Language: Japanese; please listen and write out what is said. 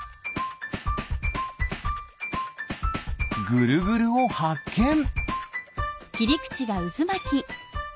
ぐるぐるをはっけん。